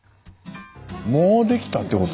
もうできたってこと？